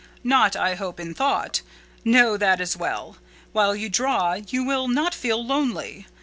"Not, I hope, in thought? No, that is well: while you draw you will not feel lonely.